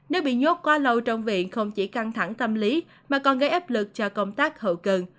nếu bị nhốt quá lâu trong viện không chỉ căng thẳng tâm lý mà còn gây áp lực cho công tác hậu cần